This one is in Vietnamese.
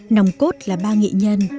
nóng cốt là ba nghệ nhân